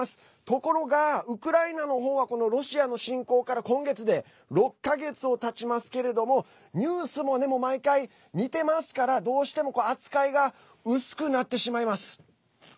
ところがウクライナのほうはロシアの侵攻から今月で６か月たちますけれどもニュースも毎回、似てますからどうしても扱いが薄くなってしまいます。